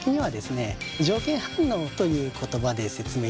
条件反応という言葉で説明できます。